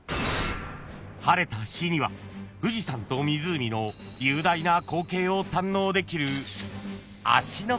［晴れた日には富士山と湖の雄大な光景を堪能できる］